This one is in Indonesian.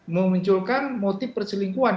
memunculkan motif perselingkuhan